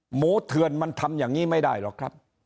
เทือนมันทำอย่างนี้ไม่ได้หรอกครับ